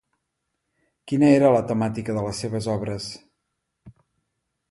Quina era la temàtica de les seves obres?